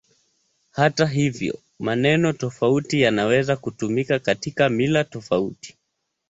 Hata hivyo, maneno tofauti yanaweza kutumika katika mila tofauti.